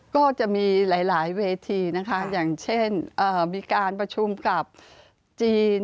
ก็จะมีหลายเวทีนะคะอย่างเช่นมีการประชุมกับจีน